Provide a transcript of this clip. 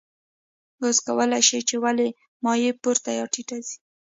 اوس کولی شئ چې ولې مایع پورته یا ټیټه ځي.